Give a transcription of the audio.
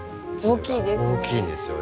粒が大きいんですよね。